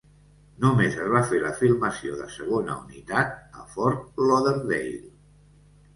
Només es va fer la filmació de segona unitat a Fort Lauderdale.